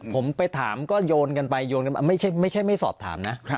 ผมไปถามก็โยนกันไปไม่ใช่ไม่สอบถามนะ